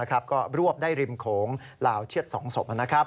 ก็รวบได้ริมของลาวเชื่อดสองศพ